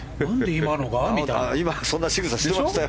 今そんなしぐさしてましたよ。